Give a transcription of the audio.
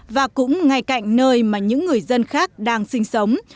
và cũng ngay cạnh nơi mà những người dân khác đang sinh sống